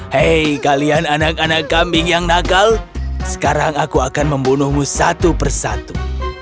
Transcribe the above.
hei kalian anak anak kambing yang nakal sekarang aku akan membunuhmu satu persatu